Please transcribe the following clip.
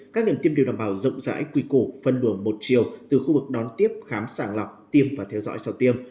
các điểm tiêm đều đảm bảo rộng rãi quy cổ phân đường một triệu từ khu vực đón tiếp khám sàng lọc tiêm và theo dõi sau tiêm